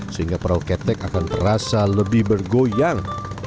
sehingga perahu ketek akan terasa lebih bergoyang